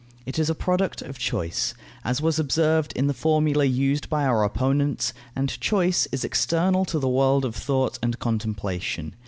It is a product of choice, as was observed in the formula used by our opponents; and choice is external to the world of thought and contemplation.